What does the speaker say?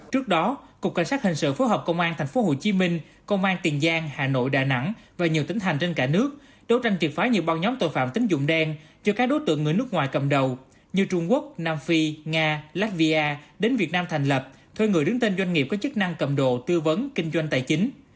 trước đó cục cảnh sát hình sự phối hợp công an tp hcm công an tiền giang hà nội đà nẵng và nhiều tỉnh thành trên cả nước đấu tranh triệt phái nhiều băng nhóm tội phạm tính dụng đen cho các đối tượng người nước ngoài cầm đầu như trung quốc nam phi nga latvia đến việt nam thành lập thuê người đứng tên doanh nghiệp có chức năng cầm đồ tư vấn kinh doanh tài chính